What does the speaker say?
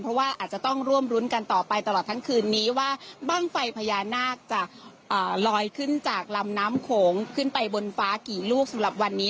เพราะว่าอาจจะต้องร่วมรุ้นกันต่อไปตลอดทั้งคืนนี้ว่าบ้างไฟพญานาคจะลอยขึ้นจากลำน้ำโขงขึ้นไปบนฟ้ากี่ลูกสำหรับวันนี้